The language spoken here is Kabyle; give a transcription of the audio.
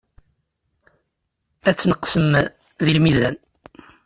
Ad tneqsem deg lmizan.